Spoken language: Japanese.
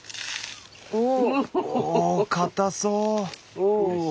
おお固そう！